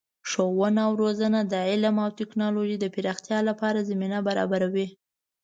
ښوونه او روزنه د علم او تکنالوژۍ د پراختیا لپاره زمینه برابروي.